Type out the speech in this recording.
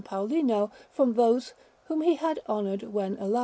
Paulino from those whom he had honoured when alive.